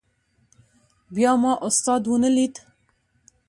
بیا ما استاد ونه لید.